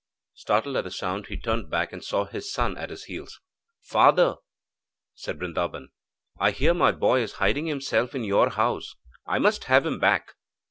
Startled at the sound, he turned back and saw his son at his heels. 'Father,' said Brindaban, 'I hear my boy is hiding himself in your house. I must have him back.'